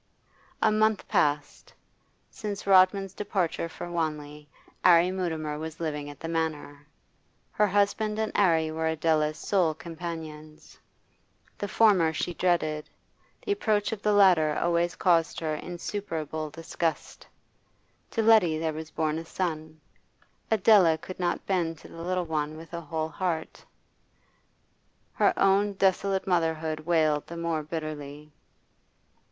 A month passed. Since Rodman's departure from Wanley, 'Arry Mutimer was living at the Manor. Her husband and 'Arry were Adela's sole companions; the former she dreaded, the approach of the latter always caused her insuperable disgust. To Letty there was born a son; Adela could not bend to the little one with a whole heart; her own desolate motherhood wailed the more bitterly.